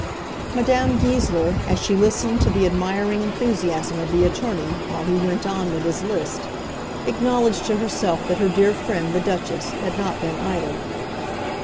Madame Goesler, as she listened to the admiring enthusiasm of the attorney while he went on with his list, acknowledged to herself that her dear friend, the Duchess, had not been idle.